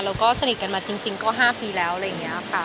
แล้วก็สนิทกันมาจริงก็๕ปีแล้วอะไรอย่างนี้ค่ะ